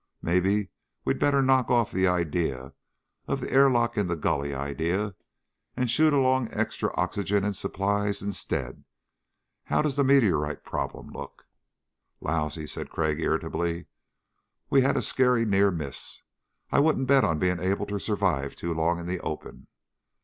Maybe we'd better knock off the idea of the airlock in the gully idea and shoot along extra oxygen and supplies instead. How does the meteorite problem look?" "Lousy," said Crag irritably. "We've had a scary near miss. I wouldn't bet on being able to survive too long in the open.